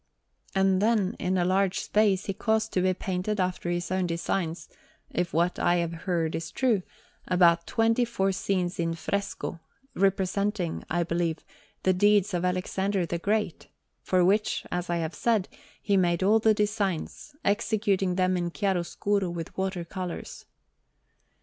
And then, in a large space, he caused to be painted after his own designs, if what I have heard is true, about twenty four scenes in fresco, representing, I believe, the deeds of Alexander the Great; for which, as I have said, he made all the designs, executing them in chiaroscuro with water colours.